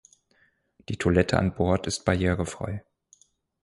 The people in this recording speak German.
Die Toilette an Bord ist barrierefrei.